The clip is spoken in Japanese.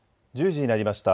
１０時になりました。